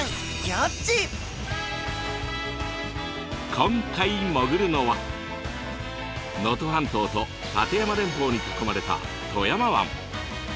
今回潜るのは能登半島と立山連峰に囲まれた富山湾。